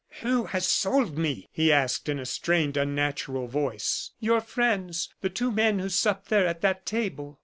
"Who has sold me?" he asked, in a strained, unnatural voice. "Your friends the two men who supped there at that table."